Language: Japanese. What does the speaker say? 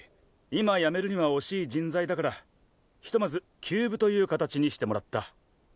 今辞めるには惜しい人材だからひとまず休部という形にしてもらった。